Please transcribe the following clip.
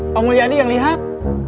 pak mulyadi yang lihat